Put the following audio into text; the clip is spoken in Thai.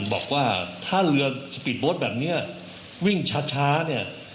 บอกว่าถ้าเรือสปีดโบสต์แบบนี้วิ่งช้าเนี่ย